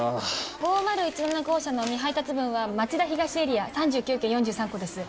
５０１７号車の未配達分は町田東エリア３９軒４３個です。